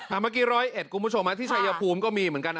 มาวันที่๑๐๑กุมมุชมอ่ะที่ชายพุมก็มีเหมือนกัน